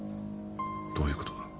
どういうことだ？